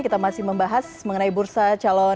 kita masih membahas mengenai bursa calon